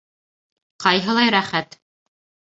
Ҡайһылай рәхәт!